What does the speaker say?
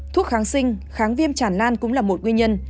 thuốc kháng sinh kháng viêm chản lan cũng là một nguyên nhân